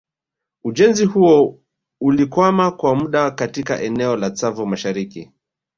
Ujenzi huo ulikwama kwa muda katika eneo la Tsavo mashariki